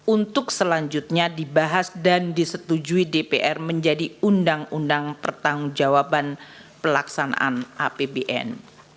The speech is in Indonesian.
untuk selanjutnya dibahas dan disetujui dpr menjadi undang undang pertanggung jawaban pelaksanaan apbn